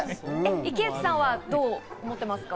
池内さんはどう思ってますか？